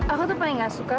aku tuh paling gak suka